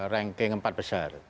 ranking empat besar